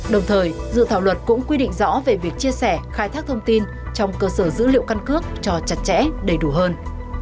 đồng thời dự thảo luật cũng quy định rõ về việc chia sẻ khai thác thông tin trong cơ sở dữ liệu căn cước cho chặt chẽ đầy đủ hơn